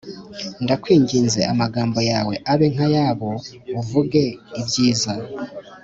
Ndakwinginze amagambo yawe abe nk’ayabo, uvuge ibyiza”